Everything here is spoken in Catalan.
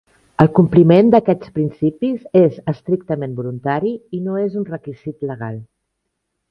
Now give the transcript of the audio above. El compliment d'aquests principis és estrictament voluntari i no és un requisit legal.